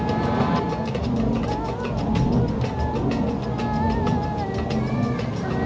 kamu sudah lancang romlah kamu harus mati